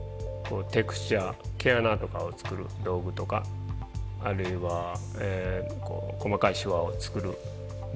テクスチャー毛穴とかを作る道具とかあるいは細かいシワを作る道具です。